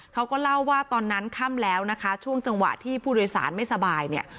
เขาก็เล่าว่าตอนนั้นค่ำแล้วนะคะช่วงจังหวะที่ผู้โดยสารไม่สบายเนี่ย